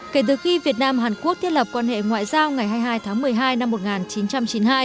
kể từ khi việt nam hàn quốc thiết lập quan hệ ngoại giao ngày hai mươi hai tháng một mươi hai năm một nghìn chín trăm chín mươi hai